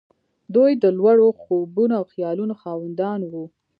دوی د لوړو خوبونو او خيالونو خاوندان وو.